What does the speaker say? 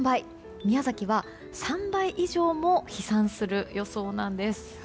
宮崎は３倍以上も飛散する予想なんです。